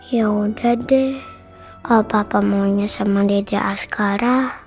ya udah deh apa apa maunya sama lidya asgara